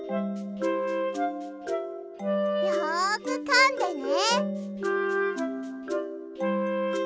よくかんでね。